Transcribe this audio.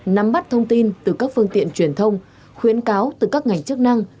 nắm bắt thông tin từ các phương tiện truyền thông khuyến cáo từ các ngành chức năng